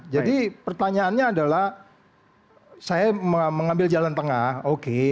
jadi pertanyaannya adalah saya mengambil jalan tengah oke